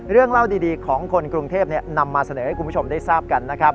เรื่องเล่าดีของคนกรุงเทพนำมาเสนอให้คุณผู้ชมได้ทราบกันนะครับ